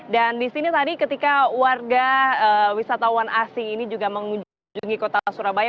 dan disini tadi ketika warga wisatawan asing ini juga mengunjungi kota surabaya